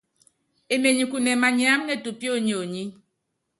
Emenyi kune manyiáma netupí ónyonyí.